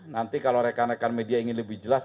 nanti kalau rekan rekan media ingin lebih jelas